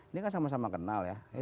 ini kan sama sama kenal ya